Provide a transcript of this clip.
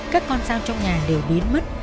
các con dao trong nhà đều biến mất